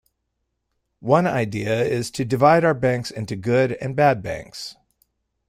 One idea is to divide our banks into good and bad banks.